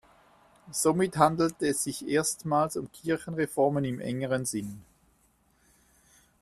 Somit handelt es sich erstmals um Kirchenreformen im engeren Sinn.